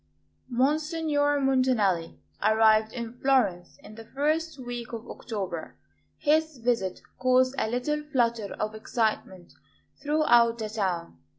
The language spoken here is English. MONSIGNOR MONTANELLI arrived in Florence in the first week of October. His visit caused a little flutter of excitement throughout the town.